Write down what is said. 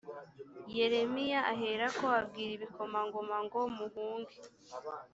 yeremiya aherako abwira ibikomangoma ngo muhunge